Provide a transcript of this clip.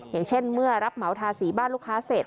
อย่างเช่นเมื่อรับเหมาทาสีบ้านลูกค้าเสร็จ